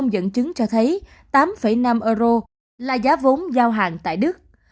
năm dẫn chứng cho thấy tám năm euro là giá vốn giao hàng tại đức